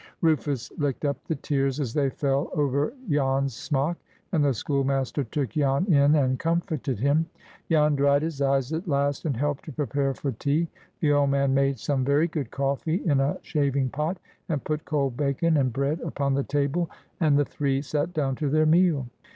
Rufus licked up the tears as they fell over Jan's smock, and the schoolmaster took Jan in and comforted him. Jan dried his eyes at last, and helped to prepare for tea. The old man made some very good coffee in a shaving pot, and put cold bacon and bread upon the table, and the three sat down to their meal.